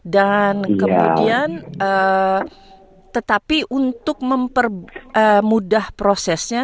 dan kemudian tetapi untuk memudah prosesnya